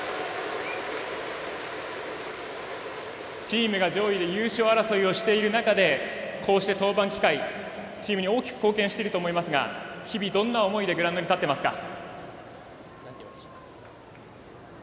チームが上位で優勝争いをしている中でこうして登板機会、チームに大きく貢献していると思いますが日々、どんな思いでグラウンドに立っていますか？